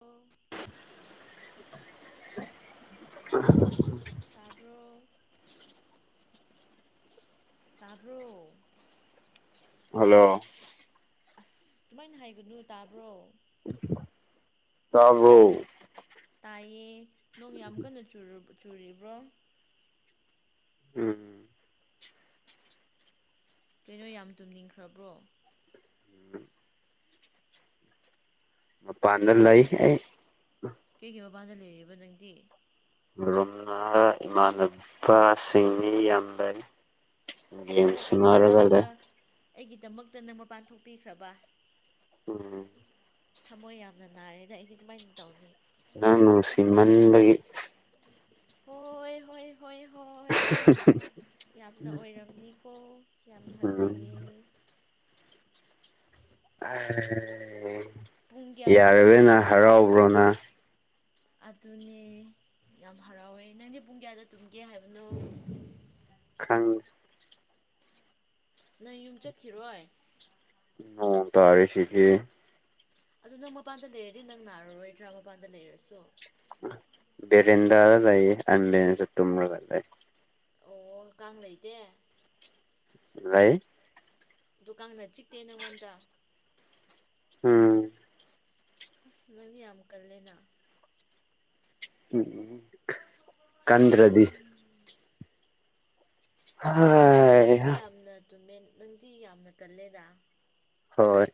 ꯑꯣ ꯇꯥꯕ꯭ꯔꫭ ꯇꯥꯕ꯭ꯔꫭ ꯍꯜꯂꯣ ꯑꯁ ꯑꯗꯨꯃꯥꯏꯅ ꯍꯥꯏꯒꯅꯨ ꯇꯥꯕ꯭ꯔꯣ ꯇꯥꯕ꯭ꯔꫭ ꯇꯥꯏꯌꯦ ꯅꯣꯡ ꯌꯥꯝ ꯀꯟꯅ [unintelligible] ꯆꯨꯔꯤꯕ꯭ꯔꯣ ꯎꯝ ꯀꯩꯅꯣ ꯌꯥꯝ ꯇꯨꯝꯅꯤꯡꯈ꯭ꯔꯕ꯭ꯔꯣ ꯃꯄꯥꯟꯗ ꯂꯩ ꯑꯩ ꯀꯩꯒꯤ ꯃꯄꯥꯟꯗ ꯂꯩꯔꯤꯕ ꯅꯪꯗꯤ [unintelligible] ꯏꯃꯥꯟꯅꯕ ꯁꯤꯡꯅꯤ ꯌꯥꯝ ꯂꯩ ꯑꯗꯨꯒꯤ ꯁꯥꯟꯅꯔꯒ ꯂꯩ ꯗꯃꯛꯇ ꯅꯪ ꯃꯄꯥꯟ ꯊꯣꯛꯄꯤꯈ꯭ꯔꯕ ꯎꯝ ꯊꯝꯃꯣꯏ ꯌꯥꯝꯅ ꯅꯥꯔꯦꯗ ꯑꯩꯗꯤ ꯀꯝꯃꯥꯏꯅ ꯇꯧꯅꯤ ꯅꯪ ꯅꯨꯡꯁꯤꯃꯟꯕꯒꯤ ꯍꯣꯏ ꯍꯣꯏ ꯍꯣꯏ ꯍꯣꯏ [unintelligible] ꯅꯤꯀꯣ ꯌꯥꯝ ꯎꯝ ꯐꯖꯩꯌꯦ ꯑꯦ ꯄꯨꯡ ꯀꯌꯥꯗ ꯌꯥꯔꯕꯦꯅ ꯍꯔꯥꯎꯕ꯭ꯔꯣ ꯅꯪ ꯑꯗꯨꯅꯤ ꯌꯥꯝ ꯍꯔꯥꯎꯋꯦ ꯅꯪꯗꯤ ꯄꯨꯡ ꯀꯌꯥꯗ ꯇꯨꯝꯒꯦ ꯍꯥꯏꯕꯅꯣ ꯑꯪ ꯅꯪ ꯌꯨꯝ ꯆꯠꯈꯤꯔꯣꯏ ꯅꯣꯡ ꯇꯔꯤꯁꯤꯗꯤ ꯑꯗꯨ ꯅꯪ ꯃꯄꯥꯟꯗ ꯂꯩꯔꯗꯤ ꯅꯪ ꯅꯥꯔꯔꯣꯏꯗ꯭ꯔꯥ ꯃꯄꯥꯟꯗ ꯂꯩꯔꯁꯨ ꯕꯦꯔꯟꯙꯥꯗ ꯂꯩ ꯑꯩ ꯑꯝꯕꯦꯁꯇ ꯇꯨꯝꯔꯒ ꯂꯩ ꯑꯣ ꯀꯥꯡ ꯂꯩꯇꯦ ꯥꯂꯩ ꯗꯨꯀꯥꯡꯅ ꯆꯤꯛꯇꯦ ꯅꯉꯣꯟꯇ ꯎꯝ ꯑꯁ ꯅꯪꯗꯤ ꯌꯥꯝ ꯀꯜꯂꯦꯅ ꯎꯝ ꯀꯟꯗ꯭ꯔꯗꯤ ꯅꯪꯗꯤ ꯍꯥꯏ ꯌꯥꯝꯅ ꯇꯨꯝꯃꯦꯟ ꯅꯪꯗꯤ ꯌꯥꯝꯅ ꯀꯜꯂꯦꯗ ꯍꯣꯏ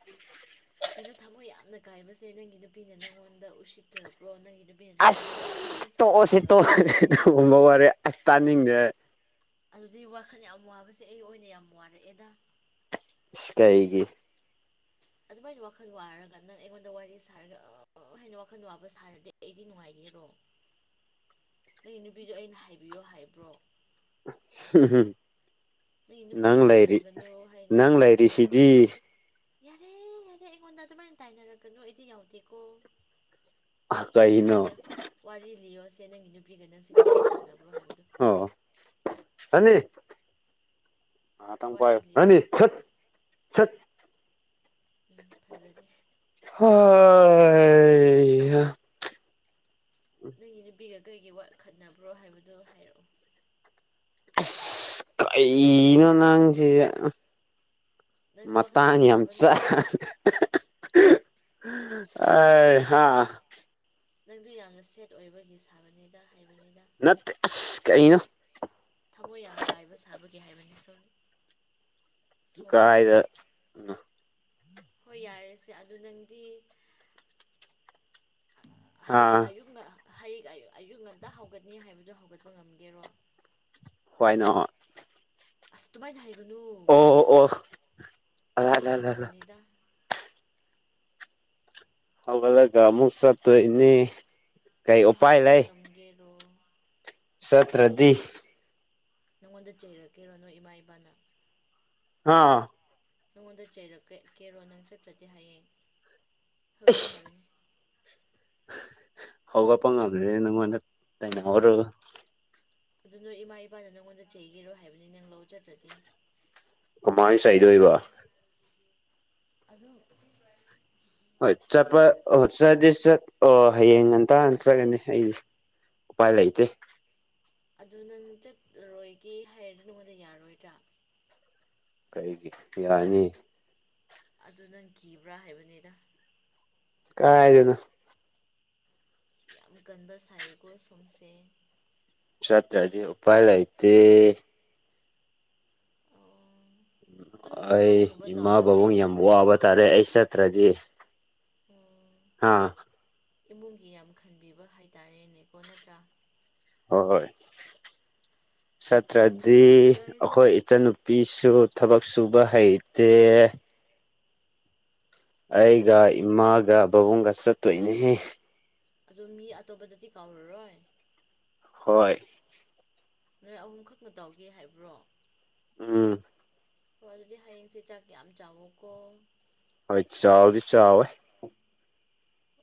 ꯀꯩꯅꯣ ꯊꯃꯣꯏ ꯌꯥꯝꯅ ꯀꯥꯏꯕꯁꯦ ꯅꯪꯒꯤ ꯅꯨꯄꯤꯅ ꯅꯪꯉꯣꯟꯗ ꯎꯁꯤꯠꯇ꯭ꯔꯕ꯭ꯔꯣ ꯅꯪꯒꯤ ꯅꯨꯄꯤꯅ ꯅꯪꯉꯣꯟꯗ ꯋꯥꯔꯤ ꯑꯁ ꯐꯖꯅ ꯇꯣꯛꯑꯣꯁ ꯁꯥꯕꯤꯗ꯭ꯔꯕꯣ ꯇꯣꯛꯑꯁꯦ ꯇꯨꯝꯕ ꯋꯥꯔꯤ ꯑꯁ ꯇꯥꯅꯤꯡꯗꯦ ꯑꯩ ꯑꯗꯨꯗꯤ ꯋꯥꯈꯜ ꯌꯥꯝ ꯋꯥꯕꯁꯦ ꯑꯩ ꯑꯣꯏꯅ ꯌꯥꯝ ꯋꯥꯔꯛꯑꯦꯗ ꯏꯁ ꯀꯩꯒꯤ ꯑꯗꯨꯃꯥꯏꯅ ꯋꯥꯈꯜ ꯋꯥꯔꯒ ꯅꯪ ꯑꯩꯉꯣꯟꯗ ꯋꯥꯔꯤ ꯁꯥꯔꯒ ꯑꯥ ꯍꯥꯏꯅ ꯋꯥꯈꯜ ꯋꯥꯕ ꯁꯥꯔꯗꯤ ꯑꯩꯗꯤ ꯅꯨꯡꯉꯥꯏꯔꯤ ꯌꯦꯔꯣ ꯅꯪꯒꯤ ꯅꯨꯄꯤꯗꯣ ꯑꯩꯅ ꯍꯥꯏꯕꯤꯌꯣ ꯍꯥꯏꯕ꯭ꯔꯣ [unintelligible] ꯅꯪꯒꯤ ꯅꯪ ꯅꯨꯄꯥꯒ ꯂꯩꯔꯤ ꯈꯠꯅꯒꯅꯨ ꯍꯥꯏꯅ ꯅꯪ ꯍꯥꯏꯕꯤꯌꯨ ꯂꯩꯔꯤꯁꯤꯗꯤ ꯌꯥꯔꯦ ꯌꯥꯔꯦ ꯑꯩꯉꯣꯟꯗ ꯑꯗꯨꯃꯥꯏꯅ ꯇꯥꯏꯅꯔꯒꯅꯨ ꯑꯩꯗꯤ ꯌꯥꯎꯇꯦꯀꯣ ꯑꯗꯨ ꯀꯩꯅꯣ ꯁꯤꯁꯦ ꯋꯥꯔꯤ ꯂꯤꯌꯣꯁꯦ ꯅꯪꯒꯤ ꯄꯤꯒ ꯅꯪꯁꯦ ꯀꯃꯥꯏꯅ ꯈꯠꯅꯕ꯭ꯔꯣ ꯍꯥꯏꯕꯗꯨ ꯑꯣ ꯔꯅꯤ ꯋꯥꯔꯤ ꯂꯤꯔꯛꯑꯣ [unintelligible] ꯎꯝ ꯐꯖꯔꯦ ꯍꯩꯍꯥ ꯅꯪꯒꯤ ꯅꯨꯄꯤꯒ ꯀꯔꯤꯒꯤ ꯋꯥ ꯈꯠꯅꯕ꯭ꯔꯣ ꯍꯥꯏꯕꯗꯨꯣ ꯍꯥꯏꯔꯛꯑꯣ ꯑꯁ ꯀꯩꯅꯣ ꯅꯪꯁꯤ ꯎꯝ ꯅꯪꯗꯤ ꯋꯥꯈꯜ ꯃꯇꯥꯡ ꯌꯥꯝ ꯋꯥꯕ ꯆꯥ ꯅꯠꯇ꯭ꯔꯣ ꯍꯥꯍꯥꯍꯥ ꯑꯩ ꯍꯥꯥ ꯅꯪꯗꯨ ꯌꯥꯝꯅ ꯁꯦꯠ ꯑꯣꯏꯕꯒꯤ ꯁꯥꯕꯅꯤꯗ ꯍꯥꯏꯕꯅꯤ ꯅꯠꯇ ꯑꯁ ꯀꯩꯅꯣ ꯊꯃꯣꯏ ꯌꯥꯝ ꯀꯥꯏꯕ ꯁꯥꯕꯒꯤ ꯍꯥꯏꯕꯅꯤ ꯁꯣ ꯀꯥꯏꯗ ꯎꯝ ꯍꯣꯏ ꯌꯥꯔꯦꯁꯦ ꯑꯗꯨ ꯅꯪꯗꯤ ꯑꯥ ꯍꯌꯦꯡ ꯑꯌꯨꯛꯅ ꯍꯌꯦꯡ ꯑꯌꯨꯛ ꯉꯇ ꯍꯧꯒꯠꯅꯤ ꯍꯥꯏꯕꯗꯨꯣ ꯍꯧꯒꯠꯄ ꯉꯝꯒꯦꯔꯣ ꯍꯋꯥꯏ ꯅꯣꯠ ꯑꯁ ꯇꯨꯃꯥꯏꯅ ꯍꯥꯏꯏꯒꯅꯨ ꯑꯣ ꯑꯂꯥ ꯏ ꯂꯥ ꯂꯥ ꯂꯥ ꯒꯥꯔꯒꯅꯤꯗ ꯍꯧꯒꯠꯂꯒ ꯃꯨꯛ ꯆꯠꯇꯣꯏꯅꯤ ꯑꯗꯨ ꯍꯧꯒꯠꯄ ꯉꯝꯒꯦꯔꯣ ꯁꯇ꯭ꯔꯗꯤ ꯅꯪꯉꯣꯟꯗ ꯆꯩꯔꯛꯀꯤꯔꯣ ꯅꯣꯏ ꯏꯃꯥ ꯏꯄꯥꯅ ꯑꯥ ꯅꯪꯉꯣꯟꯗ ꯆꯩꯔ ꯀꯦꯔꯣ ꯅꯪ ꯆꯠꯇ꯭ꯔꯗꯤ ꯍꯥꯏꯌꯦ ꯍꯣꯔꯦꯟ ꯑꯩꯁ ꯍꯥꯏꯕꯅꯤ [unintelligible] ꯍꯧꯒꯠꯄ ꯉꯝꯗ꯭ꯔꯦ ꯅꯪꯉꫭꯟꯗ ꯇꯥꯏꯅꯍꯧꯔꫭ ꯑꯗꯨ ꯅꯣꯏ ꯏꯃꯥ ꯏꯄꯥꯅ ꯅꯪꯉꯣꯟꯗ ꯆꯩꯒꯦꯔꯣ ꯍꯥꯏꯕꯅꯤ ꯅꯪ ꯂꯧ ꯆꯠꯇ꯭ꯔꯗꯤ ꯀꯝꯃꯥꯏ ꯆꯩꯗꯣꯏꯕ ꯑꯗꯨ [unintelligible] ꯍꯣꯏ ꯆꯠꯄ [unintelligible] ꯆꯠꯇꯤ ꯆꯠ ꯑꯣ ꯍꯌꯦꯡ ꯉꯟꯇꯥꯅ ꯆꯠꯀꯅꯤ ꯑꯩꯅ ꯎꯄꯥꯏ ꯂꯩꯇꯦ ꯑꯗꯨ ꯅꯪ ꯆꯠꯂꯔꫭꯏꯒꯦ ꯍꯥꯏꯔꯗꯤ ꯅꯉꯣꯟꯗ ꯌꯥꯔꯣꯏꯗ꯭ꯔ ꯀꯩꯒꯤ ꯌꯥꯅꯤ ꯑꯗꯨ ꯅꯪ ꯀꯤꯕ꯭ꯔ ꯍꯥꯏꯕꯅꯤꯗ ꯀꯥꯏꯗꯩꯅꫭ ꯌꯥꯝ ꯀꯟꯕ ꯁꯥꯏꯌꯦꯀꯣ ꯁꯣꯝꯁꯦ ꯆꯠꯇ꯭ꯔꯗꯤ ꯎꯄꯥꯏ ꯂꯩꯇꯦ ꯑꯣ ꯑꯗꯨꯝ ꯅꯪ ꯑꯩ ꯂꯧꯒꯨꯝꯕ ꯏꯃꯥ ꯇꯧꯔꯒ ꯕꯥꯥꯕꯨꯡ ꯂꯩꯔꯒꯦ ꯌꯥꯝ ꯋꯥꯕ ꯇꯥꯔꯦ ꯑꯩ ꯆꯠꯇ꯭ꯔꯗꯤ ꯑꫭ ꯍꯥꯥ ꯏꯃꯨꯡꯒꯤ ꯌꯥꯝ ꯈꯟꯕꯤꯕ ꯍꯥꯏꯇꯥꯔꯦꯅꯦꯀꯣ ꯅꯠꯇ꯭ꯔ ꯍ ꯍꯣꯏ ꯌꯥꯝ ꯆꯠꯇ꯭ꯔꯗꯤ ꯊꯥꯒꯠꯂꯦ ꯑꯈꯣꯏ ꯀꯥꯏꯁꯦ ꯏꯆꯟꯅꯨꯄꯤꯁꯨ ꯊꯕꯛ ꯁꯨꯕ ꯍꯩꯇꯦ ꯑꯩꯒ ꯏꯃꯥꯒ ꯕꯥꯕꯨꯡꯒ ꯆꯠꯇꯣꯏꯅꯦꯍꯦ ꯑꯗꯨ ꯃꯤ ꯑꯇꯣꯞꯄꯗꯗꯤ ꯀꯧꯔꯔꯣꯏ ꯍꯣꯏ ꯅꯣꯏ ꯑꯍꯨꯝ ꯈꯛꯅ ꯇꯧꯒꯦ ꯍꯥꯏꯕ꯭ꯔꯣ ꯎꯝ ꯍꫭ ꯑꯗꯨꯗꯤ ꯍꯌꯦꯡꯁꯦ ꯆꯥꯛ ꯌꯥꯝ ꯆꯥꯎꯋꫭꯀꯣ ꯍꫭꯏ ꯆꯥꯎꯗꯤ ꯆꯥꯎꯋꯦ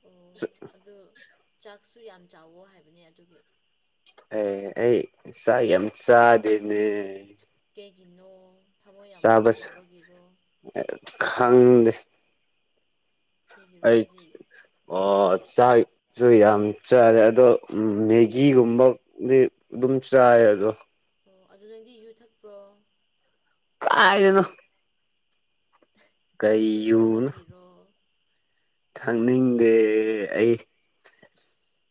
[unintelligible] [unintelligible] ꯁꯨ ꯌꯥꯝ ꯆꯥꯎꯋꯣ ꯍꯥꯏꯕꯅꯦ ꯑꯗꯨꯒꯤ ꯑꯩ ꯑꯩ ꯆꯥꯛ ꯌꯥꯝ ꯆꯥꯗꯦꯃꯤ ꯀꯩꯒꯤꯅꫭ ꯆꯥꯕꯁ ꯈꯪꯗꯦ ꯀꯩꯒꯤꯔꯣ ꯑꯩ ꯑꯗꯨꯗꯤ ꯑ ꯆꯥꯛꯁꯨ ꯌꯥꯝ ꯆꯥꯔꯦ ꯑꯗꯣ ꯃꯦꯒꯤꯒꯨꯝꯕꯗꯤ ꯑꯗꯨꯝ ꯆꯥꯏ ꯑꯗꯣ ꯑꯣ ꯑꯗꯨ ꯅꯪꯗꯤ ꯌꯨ ꯊꯛꯄ꯭ꯔꯣ ꯀꯥꯏꯗꯩꯅꫭ [unintelligible] ꯌꯨꯅꯣ ꯊꯛꯅꯤꯡꯗꯕꯒꯤꯔꯣ ꯊꯛꯅꯤꯡꯗꯦ ꯑꯩ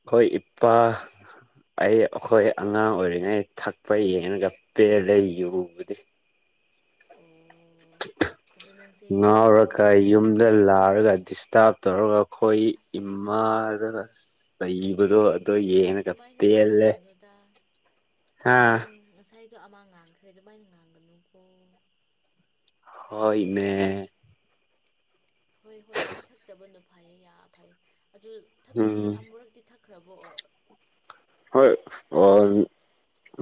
ꯑꯈꯣꯏ ꯏꯄꯥ ꯑꯩ ꯑꯩꯈꯣꯏ ꯑꯉꯥꯡ ꯑꯣꯏꯔꯤꯉꯩ ꯊꯛꯄ ꯌꯦꯡꯉꯒ ꯄꯦꯜꯂꯦ ꯌꯨꯕꯨꯗꯤ ꯑꯣ ꯑꯗꯨ ꯅꯪꯁꯦ [unintelligible] ꯌꯨ ꯉꯥꯎꯔꯒ ꯊꯛꯅꯤꯡꯗꯕ ꯃꯤ ꯌꯨꯝꯗ ꯂꯥꯛꯔꯒ ꯗꯤꯁꯇꯞ ꯇꯧꯔꯒ ꯑꯈꯣꯏ ꯏꯃꯥꯗ ꯑꯁ ꯆꯩꯕꯗꯣ ꯑꯗꯨ ꯌꯦꯡꯔꯒ ꯑꯗꯨꯃꯥꯏꯅ ꯄꯦꯜꯂꯦ ꯉꯥꯡꯒꯅꯨꯗ ꯍꯥꯥ ꯑꯗꯨ ꯑꯃ ꯉꯥꯡꯈ꯭ꯔꯦ ꯑꯗꯨꯃꯥꯏꯅ ꯉꯥꯡꯒꯅꯨꯀꯣ ꯍꯣꯏꯅꯦ ꯍꯣꯏ ꯍꯣꯏ ꯍꯣꯏ ꯊꯛꯇꯕꯅ ꯐꯩꯌꯦ ꯌꯥꯝ ꯐꯩ ꯑꯗꯨ ꯊꯛꯄꯗꯤ ꯎꯝ ꯑꯃꯨꯔꯛꯇꯤ ꯊꯛ ꯈ꯭ꯔꯕꯣ ꯍꯣꯏ ꯑꯥ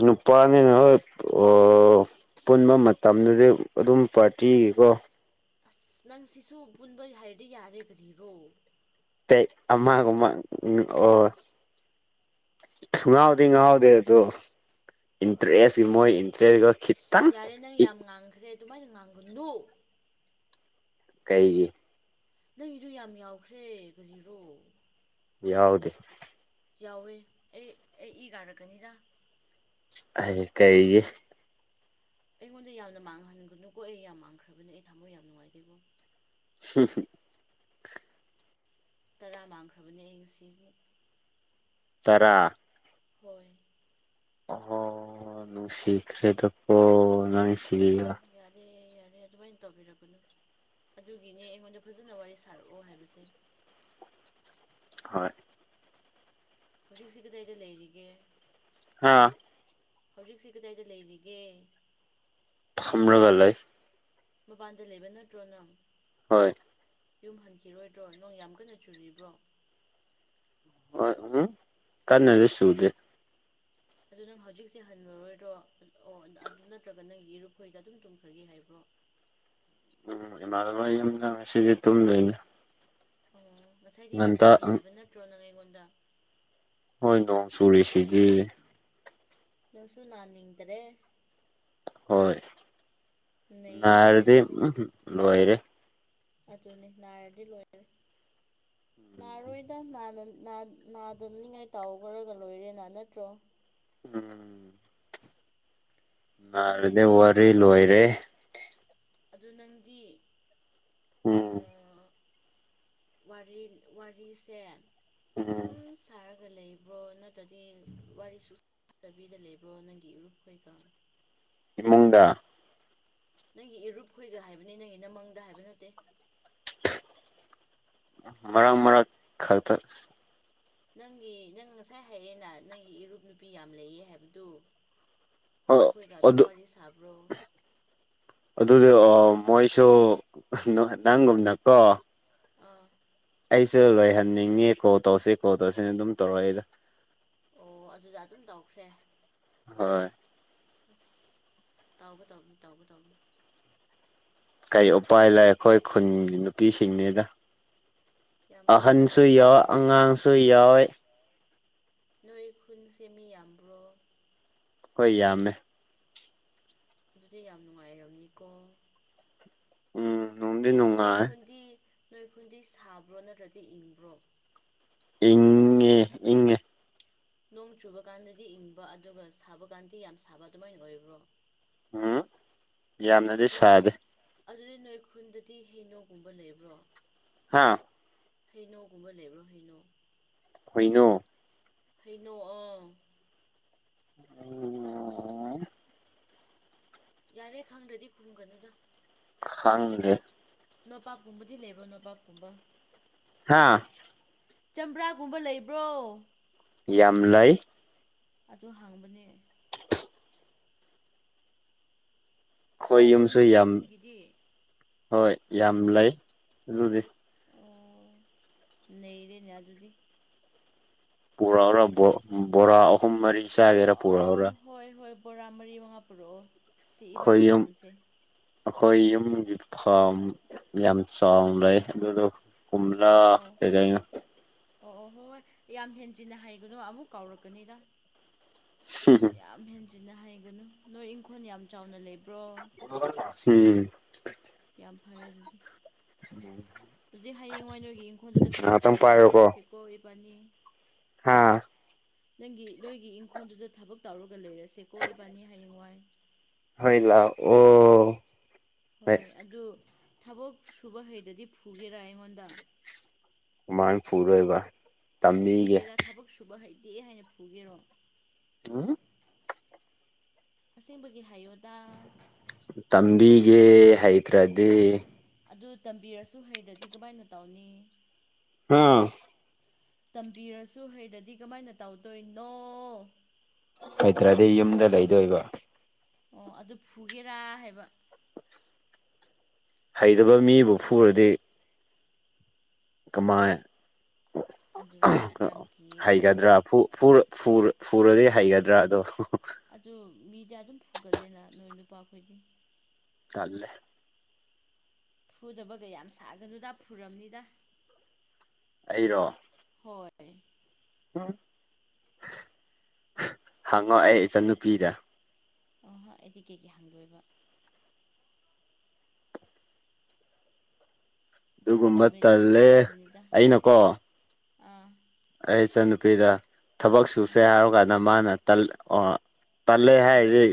ꯅꯨꯄꯥꯅꯤ ꯍꯣꯏ ꯑꯣ ꯄꯨꯟꯕ ꯃꯇꯝꯗꯨꯗꯤ ꯑꯗꯨꯝ ꯄꯥꯔꯇꯤꯒꯤꯀꯣ ꯑꯁ ꯅꯪ ꯁꯤꯁꯨ ꯄꯨꯟꯕ ꯍꯥꯏꯔꯗꯤ ꯌꯥꯔꯦ ꯀꯔꯤꯔꯣ ꯄꯦꯒ ꯑꯃꯒꯨꯝꯕ ꯎꯝ ꯑꯣ ꯉꯥꯎꯗꯤ ꯉꯥꯎꯗꯦ ꯑꯗꯨ ꯏꯟꯇꯔꯦꯁꯀꯤ ꯃꯣꯏ ꯏꯟꯇꯔꯦꯁ ꯑꯁ ꯌꯥꯔꯦ ꯅꯪ ꯌꯥꯝ ꯉꯥꯡꯈ꯭ꯔꯦ ꯑꯗꯨꯃꯥꯏꯅ ꯉꯥꯡꯒꯅꯨ ꯀꯩꯒꯤ ꯅꯪꯒꯤꯗꯨ ꯌꯥꯝ ꯌꯥꯎꯈ꯭ꯔꯦ ꯀꯔꯤꯔꯣ ꯌꯥꯎꯗꯦ ꯌꯥꯎꯋꯦ ꯑꯩ ꯑꯩ ꯏ ꯀꯥꯔꯛꯀꯅꯤꯗ ꯍꯥꯏ ꯀꯩꯒꯤ ꯑꯩꯉꯣꯟꯗ ꯌꯥꯝꯅ ꯃꯥꯡꯍꯟꯒꯅꯨꯀꯣ ꯑꯩ ꯌꯥꯝ ꯃꯥꯡꯈ꯭ꯔꯕꯅꯦ ꯑꯩ ꯊꯥꯃꯣꯢ ꯌꯥꯝ ꯅꯨꯡꯉꯥꯏꯇꯦꯀꯣ ꯍꯝ ꯍꯝ ꯇꯔꯥ ꯃꯥꯡꯈ꯭ꯔꯕꯅꯦ ꯑꯩ ꯉꯁꯤ ꯇꯔꯥ ꯍꯣꯏ ꯑꯍꯣ ꯅꯨꯡꯁꯤꯈ꯭ꯔꯦꯗ ꯀꯣ ꯅꯪ ꯁꯤꯒ ꯌꯥꯔꯦ ꯌꯥꯔꯦ ꯑꯗꯨꯃꯥꯏꯅ ꯇꯧꯕꯤꯔꯛꯀꯅꯣ ꯑꯗꯨꯒꯤꯅꯦ ꯑꯩꯉꯣꯟꯗ ꯐꯖꯅ ꯋꯥꯔꯤ ꯁꯥꯔꯛꯑꯣ ꯍꯥꯏꯕꯁꯦ [inaudible] ꯍꯣꯏ ꯍꯧꯖꯤꯛꯁꯤ ꯀꯗꯥꯢꯗ ꯂꯩꯔꯤꯒꯦ ꯍꯥꯥ ꯍꯧꯖꯤꯛꯁꯤ ꯀꯗꯥꯏꯗ ꯂꯩꯔꯤꯒꯦ ꯂꯒ ꯂꯩ ꯃꯄꯥꯟꯗ ꯂꯩꯕ ꯅꯠꯇ꯭ꯔꯣ ꯅꯪ ꯍꯣꯏ ꯌꯨꯝ ꯍꯟꯈꯤꯔꯣꯏꯗ꯭ꯔꯣ ꯅꯣꯡ ꯌꯥꯝ ꯀꯟꯅ ꯆꯨꯔꯤꯕ꯭ꯔꯣ ꯍꯣꯢ ꯎꯝ ꯀꯟꯅꯗꯤ ꯆꯨꯗꯦ ꯑꯗꯨ ꯅꯪ ꯍꯧꯖꯤꯛꯁꯦ ꯍꯟꯂꯔꯣꯏꯗ꯭ꯔꯣ ꯑꯣ ꯑꯗꯨ ꯅꯠꯇ꯭ꯔꯒ ꯅꯪꯒꯤ ꯌꯦꯔꯨꯛꯈꯣꯏꯗ ꯑꯗꯨꯝ ꯇꯨꯝꯈ꯭ꯔꯒꯦ ꯍꯥꯏꯕ꯭ꯔꯣ [inaudible] ꯎꯝ ꯏꯃꯅꯕꯩ ꯌꯨꯝꯗ ꯉꯁꯤꯗꯤ ꯇꯨꯝ ꯂꯩꯅꯤ ꯑꯣ ꯉꯁꯥꯏꯗꯤ ꯌꯨꯝꯍꯟꯅꯤ ꯍꯥꯏꯕ ꯅꯠꯇ꯭ꯔꯣ ꯅꯪ ꯑꯩꯉꯣꯟꯗ ꯍꯣꯏ ꯅꯣꯡ ꯆꯨꯔꯤꯁꯤꯗꯤ ꯅꯪꯁꯨ ꯅꯥꯟ ꯅꯤꯡꯗ꯭ꯔꯦ ꯍꯣꯏ ꯅꯩꯔꯦꯅꯦ ꯅꯥꯔꯗꯤ ꯎꯝ ꯂꯣꯏꯔꯦ ꯑꯗꯨꯅꯤ ꯅꯥꯔꯗꯤ ꯂꯣꯏꯔꯦ ꯅꯥꯔꯣꯏꯗ ꯅꯥꯗ ꯅꯥꯗ ꯅꯥꯗꯅꯤꯉꯥꯏ ꯇꯧꯈ꯭ꯔꯒ ꯂꯣꯏꯔꯦꯅ ꯅꯠꯇ꯭ꯔꯣ ꯎꯝ ꯑꯗꯨ ꯅꯥꯔꯗꯤ ꯅꯪꯗꯤ ꯋꯥꯔꯤ ꯂꯣꯏꯔꯦ ꯑꯗꯨ ꯅꯪꯗꯤ ꯎꯝ ꯋꯥꯔꯤ ꯋꯥꯔꯤꯁꯦ ꯎꯝ ꯑꯗꯨꯝ ꯁꯥꯔꯒ ꯂꯩꯕ꯭ꯔꯣ ꯅꯠꯇ꯭ꯔꯗꯤ ꯋꯥꯔꯤꯁꯨ ꯁꯥꯗꯕꯤꯗ ꯂꯩꯕ꯭ꯔꯣ ꯅꯪꯒꯤ ꯏꯔꯨꯞꯈꯣꯏꯒ ꯏꯃꯨꯡꯗ ꯅꯪꯒꯤ ꯏꯔꯨꯨꯞꯈꯣꯏꯒ ꯍꯥꯏꯕꯅꯤ ꯅꯪꯒꯤ ꯅꯃꯪꯗ ꯍꯥꯏꯕ ꯅꯠꯇꯦ ꯃꯔꯛ ꯃꯔꯛ ꯈꯛꯇ ꯅꯪꯒꯤ ꯅꯪ ꯉꯁꯥꯏ ꯍꯥꯏꯔꯦꯅ ꯅꯪꯒꯤ ꯏꯔꯨꯞ ꯅꯨꯄꯤ ꯌꯥꯝ ꯂꯩꯌꯦ ꯍꯥꯏꯕꯗꯨ ꯑꯗꯨꯈꯣꯏꯒ ꯑꯗꯨꯨꯝ ꯑꯗꯨ ꯋꯥꯔꯤ ꯁꯥꯕ꯭ꯔꯣ ꯑꯗꯨꯗꯤ ꯑꯣ ꯣꯏꯁꯨ ꯅꯪꯒꯨꯝꯅ ꯀꯣ ꯑꯥ ꯑꯩꯁꯨ ꯂꯣꯏꯍꯟꯅꯤꯡꯉꯤ ꯀꯣꯜ ꯇꯧꯁꯤ ꯀꯣꯜ ꯇꯧꯁꯤꯅ ꯑꯗꯨꯝ ꯇꯧꯔꯛꯏꯗ ꯑꯣ ꯑꯗꯨꯗ ꯑꯗꯨꯝ ꯇꯧꯈ꯭ꯔꯦ ꯍꯣꯏ ꯑꯁ ꯇꯧꯒꯗꯧꯅꯤ ꯇꯧꯒꯗꯧꯅꯤ ꯀꯔꯤ ꯎꯄꯥꯏ ꯂꯩ ꯑꯩꯈꯣꯏ ꯈꯨꯟꯒꯤ ꯅꯨꯄꯤꯁꯤꯡꯅꯦꯗ ꯌꯥꯝ ꯐꯩꯌꯦ ꯑꯍꯟꯁꯨ ꯌꯥꯝ ꯌꯥꯎ ꯐꯩꯌꯦ ꯑꯉꯥꯡꯁꯨ ꯌꯥꯎꯏ ꯅꯣꯏ ꯈꯨꯟ ꯁꯦ ꯃꯤ ꯌꯥꯝꯕ꯭ꯔꯣ ꯍꯣꯏ ꯌꯥꯝꯃꯦ ꯑꯗꯨꯗꯤ ꯌꯥꯝ ꯅꯨꯡꯉꯥꯏꯔꯝꯅꯤꯀꯣ ꯎꯝ ꯅꯨꯡꯗꯤ ꯅꯣꯏ ꯅꯨꯡꯉꯥꯏ ꯈꯨꯟꯗꯤ ꯅꯣꯏ ꯈꯨꯨꯟꯗꯤ ꯁꯥꯕ꯭ꯔꯣ ꯅꯠꯇ꯭ꯔꯗꯤ ꯏꯪꯕ꯭ꯔꯣ ꯏꯪꯉꯦ ꯏꯪꯉꯦ ꯅꯣꯡ ꯆꯨꯕ ꯀꯥꯟꯗꯗꯤ ꯏꯪꯕ ꯑꯗꯨꯒ ꯁꯥꯕ ꯀꯥꯟꯗꯤ ꯌꯥꯝ ꯁꯥꯕ ꯑꯗꯨꯃꯥꯏꯅ ꯑꯣꯏꯕ꯭ꯔꯣ ꯍꯨꯝ ꯌꯥꯝꯅꯗꯤ ꯑꯗꯨꯗꯤ ꯁꯥꯗꯦ ꯑꯗꯨꯗꯤ ꯅꯣꯏ ꯈꯨꯟꯗꯗꯤ ꯍꯩꯅꯣꯒꯨꯝꯕ ꯂꯩꯕ꯭ꯔꯣ ꯍꯥꯥ ꯍꯩꯅꯧꯒꯨꯝꯕ ꯂꯩꯕ꯭ꯔꯣ ꯍꯩꯅꯧ ꯍꯩꯅꯧ ꯍꯩꯅꯧ ꯑꯣ ꯎꯝ [unintelligible] ꯌꯥꯔꯦ ꯈꯪꯗ꯭ꯔꯗꯤ ꯈꯨꯝꯒꯅꯨꯗ ꯈꯪꯗ꯭ꯔꯦ ꯅꯣꯄꯥꯛꯀꯨꯝꯕꯗꯤ ꯂꯩꯕ꯭ꯔꯣ ꯅꯣꯕꯥꯞꯀꯨꯝꯕ ꯍꯥꯥ ꯆꯝꯄ꯭ꯔꯥꯒꯨꯝꯕ ꯂꯩꯕ꯭ꯔꯣ ꯌꯥꯝ ꯂꯩ ꯑꯗꯨ ꯍꯡꯕꯅꯦ ꯑꯩꯈꯣꯏ ꯍꯥꯎꯕ꯭ꯔꯣ ꯌꯨꯝꯁꯨ ꯅꯣꯏꯒꯤ ꯌꯥꯝ ꯈꯨꯟꯒꯤꯗꯤ ꯍꯣꯏ ꯌꯥꯝ ꯂꯩ ꯑꯗꯨꯗꯤ ꯑꯣ ꯅꯩꯔꯦꯅꯦ ꯑꯗꯨꯗꯤ ꯄꯨꯔꯛꯎꯔ ꯕꯣꯔꯥ ꯑꯍꯨꯝ ꯃꯔꯤ ꯆꯥꯒꯦꯔ ꯑꯥ ꯄꯨꯔꯛꯎꯔ ꯍꯣꯏ ꯍꯣꯏ ꯕꯣꯔꯥ ꯃꯔꯤ ꯃꯉꯥ ꯄꯨꯔꯛꯑꯣ ꯁꯤ ꯏꯕꯥꯅꯤ ꯑꯩꯈꯣꯏ ꯌꯨꯝ ꯌꯣꯟꯁꯦ ꯑꯩꯈꯣꯏ ꯌꯨꯝꯒꯤ ꯐꯥꯝ ꯌꯥꯝ ꯆꯥꯎꯅ ꯂꯩ ꯑꯗꯨꯗ ꯀꯣꯝꯂꯥ ꯑꯣ [unintelligible] ꯑꯣ ꯑꯣ ꯍꯣꯏ ꯍꯣꯏ ꯌꯥꯝ ꯍꯦꯟꯖꯤꯟꯅ ꯍꯥꯏꯒꯅꯨ ꯑꯃꯨꯛ ꯀꯥꯎꯔꯛꯀꯅꯤꯗ ꯍꯤꯍꯤꯍꯤ ꯍꯦꯟꯖꯤꯅ ꯍꯥꯏꯒꯅꯨ ꯅꯣꯏ ꯏꯪꯈꯣꯜ ꯌꯥꯝ ꯆꯥꯎꯅ ꯂꯩꯕ꯭ꯔꯣ ꯎꯝ [unintelligible] ꯌꯥꯝ ꯐꯔꯦ ꯑꯗꯨꯗꯤ ꯑꯗꯨꯗꯤ ꯍꯌꯦꯡ ꯋꯥꯏ ꯅꯣꯏꯒꯤ ꯏꯪꯈꯣꯜ ꯈꯪꯈꯣꯟꯗꯨꯗ ꯊꯕꯛ ꯉꯥꯏꯍꯥꯛꯇꯪ ꯇꯧꯔꯒ ꯄꯥꯏꯔꯣꯀꯣ ꯂꯩꯔꯁꯦꯀꯣ ꯏꯕꯥꯅꯤ ꯍꯥꯥ ꯅꯪꯒꯤ ꯅꯣꯏꯒꯤ ꯏꯪꯈꯣꯜꯗꯨꯗ ꯊꯕꯛ ꯇꯧꯔꯒ ꯂꯩꯔꯁꯦꯀꯣ ꯏꯕꯥꯅꯤ ꯍꯌꯦꯡ ꯋꯥꯏ ꯍꯣꯏ ꯂꯥꯛꯑꯣ ꯍꯣꯏ ꯑꯗꯨ ꯊꯕꯛ ꯁꯨꯕ ꯍꯩꯗꯗꯤ ꯐꯨꯒꯦꯔꯥ ꯑꯩꯉꯣꯟꯗ ꯀꯃꯥꯏꯅ ꯐꯨꯗꯣꯏꯕ ꯈꯪꯗꯦꯗ ꯊꯕꯛ ꯁꯨꯕ ꯍꯩꯇꯦ ꯍꯥꯏꯅ ꯐꯨꯒꯦꯔꯣ ꯎꯝ ꯑꯁꯦꯡꯕꯒꯤ ꯍꯥꯏꯌꯣꯗꯥ ꯇꯝꯕꯤꯒꯦ ꯍꯩꯇ꯭ꯔꯗꯤ ꯑꯗꯨ ꯇꯝꯕꯤꯔꯁꯨ ꯍꯩꯇ꯭ꯔꯗꯤ ꯀꯃꯥꯏꯅ ꯇꯧꯅꯤ ꯑꯥ ꯇꯝꯕꯤꯔꯁꯨ ꯍꯩꯇ꯭ꯔꯗꯤ ꯀꯃꯥꯏꯅ ꯇꯧꯗꯣꯏꯅꯣ ꯀꯩꯗ꯭ꯔꯗꯤ ꯌꯨꯝꯗ ꯂꯩꯗꯣꯏꯕ ꯑꯣ ꯑꯗꯨ ꯐꯨꯒꯦꯔꯥ ꯍꯥꯏꯕ ꯍꯩꯇꯕ ꯃꯤꯕꯨ ꯐꯨꯔꯗꯤ ꯀꯃꯥꯏ ꯑꯗꯨꯗꯤ ꯌꯥꯝ ꯀꯤꯌꯦꯀꯣ ꯍꯩꯒꯗ꯭ꯔꯥ ꯐꯨ ꯐꯨꯔ ꯐꯨꯔ ꯐꯨꯔꯗꯤ ꯍꯩꯒꯗ꯭ꯔꯣ ꯑꯗꯣ ꯑꯗꯨ ꯃꯤꯗꯤ ꯑꯗꯨꯝ ꯐꯨꯒꯜꯂꯦꯅ ꯅꯣꯏ ꯅꯨꯄꯥꯈꯣꯏꯗꯤ ꯇꯜꯂꯦ ꯐꯨꯗꯕꯒ ꯌꯥꯝ ꯁꯥꯒꯅꯨꯗ ꯐꯨꯔꯝꯅꯤꯗ ꯑꯩꯔꯣ ꯍꯣꯏ ꯎꯝ ꯍꯪꯉꯣ ꯑꯩ ꯏꯆꯟꯅꯨꯄꯤꯗ ꯑꯣꯏ ꯑꯩꯗꯤ ꯀꯩꯒꯤ ꯍꯪꯗꯣꯏꯕ ꯐꯥꯒꯤ ꯑꯗꯨꯒꯨꯝꯕ ꯇꯧꯕꯅꯤꯗ ꯐꯥꯒꯤ ꯇꯜꯂꯦ ꯇꯧꯕꯅꯤꯗ ꯑꯩꯅꯀꯣ ꯑꯥ ꯑꯩ ꯏꯆꯟꯅꯨꯄꯤꯗ ꯊꯕꯛ ꯁꯨꯁꯦ ꯑꯥ ꯍꯥꯏꯕꯀꯥꯟꯗ ꯃꯥꯅ ꯇꯜ ꯑꯣ ꯇꯜꯂꯦ ꯍꯥꯏꯔꯗꯤ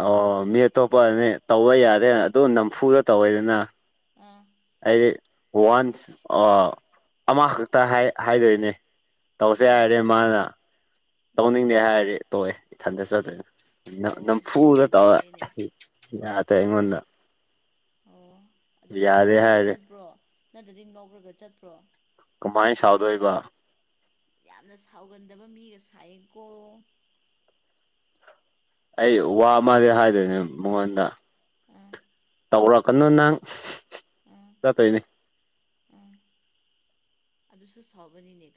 ꯑꯣ ꯃꯤꯠ ꯑꯇꯣꯞꯄꯅꯤ ꯇꯧꯕ ꯌꯥꯔꯦ ꯑꯗꯨ ꯅꯝꯐꯨꯗ ꯇꯧꯋꯦꯗꯅ ꯑꯥ ꯑꯩꯗꯤ ꯋꯥꯟꯁ ꯑꯥ ꯑꯃꯈꯛꯇ ꯎꯝ ꯍꯥꯏꯗꯣꯏꯅꯦ ꯇꯧꯁꯦ ꯍꯥꯏꯔꯦ ꯎꯝ ꯃꯥꯅ ꯎꯝ ꯇꯧꯅꯤꯡꯗꯦ ꯍꯥꯏꯔꯗꯤ ꯇꯣꯛꯑꯦ ꯏꯊꯟꯗ ꯆꯠꯇꯣꯏꯅꯦ ꯑꯣ ꯑꯗꯨꯗꯤ ꯌꯥꯝ ꯅꯝꯐꯨꯗ ꯇꯧꯔ ꯅꯩꯔꯦꯅꯦ ꯇꯦ ꯑꯩꯉꯣꯟꯗ ꯑꯣ ꯑꯗꯨꯒ ꯌꯥꯗꯦ ꯁꯥꯎꯔꯒ ꯍꯥꯏꯔꯦ ꯆꯠꯄ꯭ꯔꯣ ꯅꯠꯇ꯭ꯔꯗꯤ ꯅꯣꯛꯔꯒ ꯆꯠꯄ꯭ꯔꯣ ꯃꯥꯏ ꯁꯥꯎꯗꯣꯏꯕ ꯌꯥꯝꯅ ꯁꯥꯎꯒꯟꯗꯕ ꯃꯤꯒ ꯁꯥꯏꯌꯦꯀꯣ ꯑꯩ ꯋꯥ ꯃꯥꯜꯂꯦ ꯍꯥꯏꯗꯣꯏꯅꯦ ꯃꯉꯣꯟꯗ ꯎꯝ ꯇꯧꯔꯛꯀꯅꯨ ꯅꯪ ꯆꯠꯇꯣꯏꯅꯦ ꯎꯝ ꯑꯗꯨꯁꯨ ꯁꯥꯎꯕꯅꯤꯅꯦ ꯀꯔꯤ